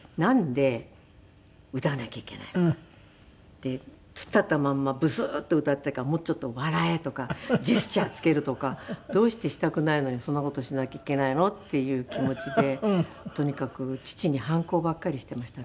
で突っ立ったまんまぶすーっと歌っているから「もうちょっと笑え」とかジェスチャーつけるとかどうしてしたくないのにそんな事しなきゃいけないの？っていう気持ちでとにかく父に反抗ばっかりしていましたね。